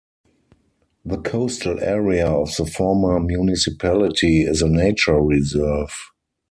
The coastal area of the former municipality is a nature reserve.